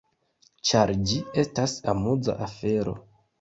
Ĉar ĝi estas amuza afero.